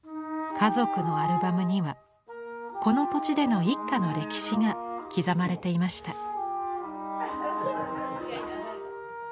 家族のアルバムにはこの土地での一家の歴史が刻まれていました。